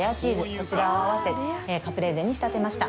こちらを合わせカプレーゼに仕立てました。